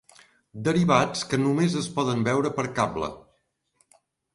Derivats que només es poden veure per cable.